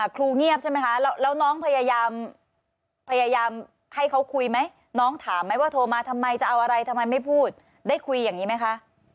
ครูเงียบใช่ไหมคะแล้วน้องพยายามให้เขาคุยไหมน้องถามไหมว่าโทรมาทำไมจะเอาอะไรทำไมไม่พูดได้คุยอย่างนี้ไหมคะ